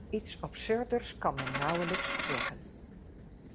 Iets absurders kan men nauwelijks zeggen.